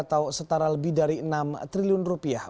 atau setara lebih dari enam triliun rupiah